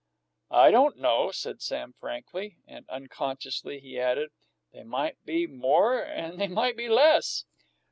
"I don't know," said Sam frankly, and, unconsciously, he added, "They might be more and they might be less."